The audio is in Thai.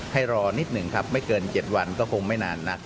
รอนิดหนึ่งครับไม่เกิน๗วันก็คงไม่นานนัก